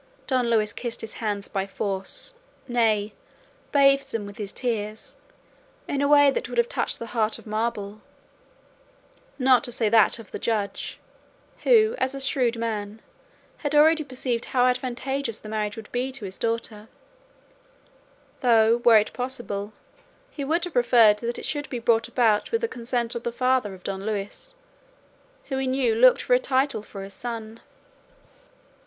Don Luis kissed his hands by force, nay, bathed them with his tears, in a way that would have touched a heart of marble, not to say that of the Judge, who, as a shrewd man, had already perceived how advantageous the marriage would be to his daughter; though, were it possible, he would have preferred that it should be brought about with the consent of the father of Don Luis, who he knew looked for a title for his son.